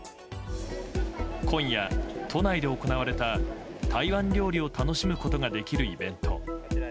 今夜、都内で行われた台湾料理を楽しむことができるイベント。